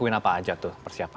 kenapa aja tuh persiapan